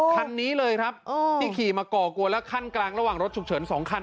คันนี้เลยครับที่ขี่มาก่อกวนและขั้นกลางระหว่างรถฉุกเฉิน๒คัน